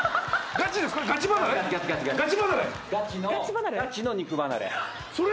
ガチの肉離れ。